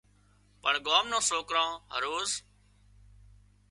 پڻ ڳام نان سوڪران هروز